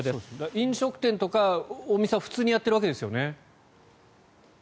飲食店とかお店は普通にやっているわけですよね。